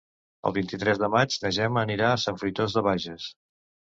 El vint-i-tres de maig na Gemma anirà a Sant Fruitós de Bages.